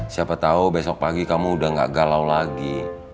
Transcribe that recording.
siapa tahu besok pagi kamu udah gak galau lagi